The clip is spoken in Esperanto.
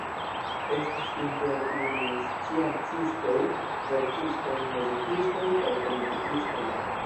Estis inter ili sciencistoj, verkistoj, muzikistoj kaj politikistoj.